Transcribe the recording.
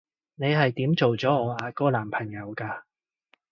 你係點做咗我阿哥男朋友㗎？